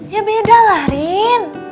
ya beda lah rin